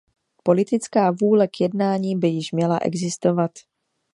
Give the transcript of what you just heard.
Politická vůle k jednání by již měla existovat.